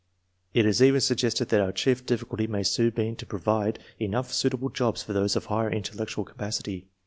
It is even suggested that our chief diffi culty may soon be to provide enough suitable jobs for those of higher intellectual capacity.